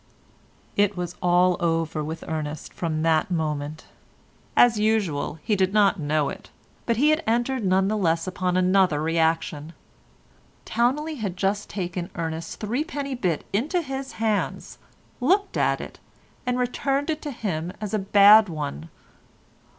It was all over with Ernest from that moment. As usual he did not know it, but he had entered none the less upon another reaction. Towneley had just taken Ernest's threepenny bit into his hands, looked at it and returned it to him as a bad one.